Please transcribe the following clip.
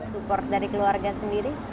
support dari keluarga sendiri